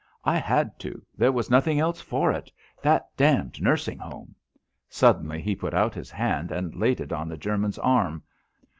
"I had to—there was nothing else for it. That damned nursing home——" Suddenly he put out his hand and laid it on the German's arm.